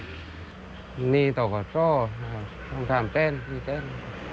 หนี้ต่อก่อโซ่ต้องทำเจน